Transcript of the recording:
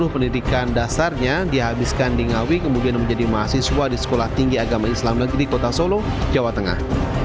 pendidikan dasarnya dihabiskan di ngawi kemudian menjadi mahasiswa di sekolah tinggi agama islam negeri kota solo jawa tengah